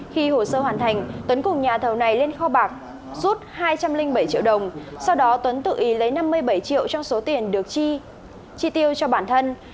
khi hồ sơ hoàn thành tuấn cùng nhà thầu này lên kho bạc rút hai trăm linh bảy triệu đồng sau đó tuấn tự ý lấy năm mươi bảy triệu trong số tiền được chi tiêu cho bản thân